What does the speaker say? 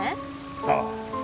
ああ。